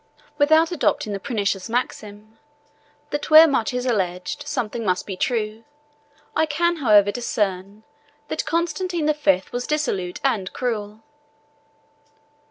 Without adopting the pernicious maxim, that where much is alleged, something must be true, I can however discern, that Constantine the Fifth was dissolute and cruel.